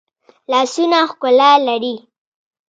لاسونه ښکلا لري